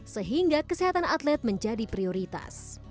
sehingga kesehatan atlet menjadi prioritas